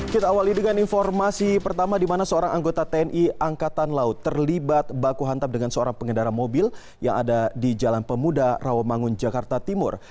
kita awali dengan informasi pertama di mana seorang anggota tni angkatan laut terlibat baku hantam dengan seorang pengendara mobil yang ada di jalan pemuda rawamangun jakarta timur